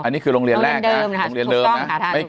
อันนี้คือโรงเรียนแรกโรงเรียนเดิมนะครับถูกต้อง